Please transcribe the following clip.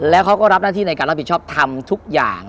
แล้วเขาก็รับหน้าที่ในการรับผิดชอบทำทุกอย่าง